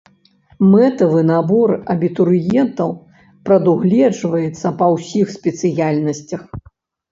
Мэтавы набор абітурыентаў прадугледжваецца па ўсіх спецыяльнасцях.